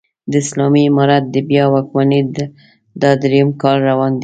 د اسلامي امارت د بيا واکمنۍ دا درېيم کال روان دی